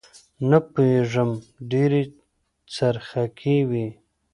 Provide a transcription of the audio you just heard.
نه پوېېږم ډېرې څرخکې وې.